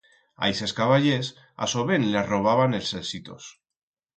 A ixes caballers a sobén les robaban els exitos.